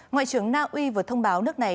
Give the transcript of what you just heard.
ngoại trưởng naui vừa thông báo nước này